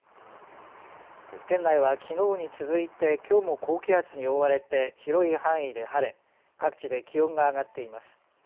県内はきのうに続いてきょうも高気圧に覆われて広い範囲で晴れ各地で気温が上がっています。